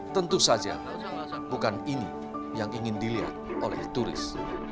tentu saja bukan ini yang ingin dilihat oleh turis